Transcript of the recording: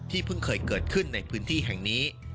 เพิ่งเคยเกิดขึ้นในพื้นที่แห่งนี้